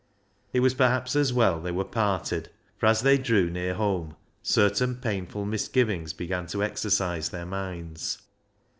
It was, perhaps, as well they were parted, for as they drew near home, certain painful misgivings began to exercise their minds.